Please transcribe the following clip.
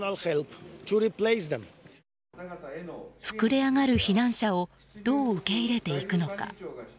膨れ上がる避難者をどう受け入れていくのか。